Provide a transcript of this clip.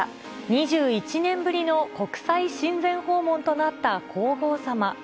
２１年ぶりの国際親善訪問となった皇后さま。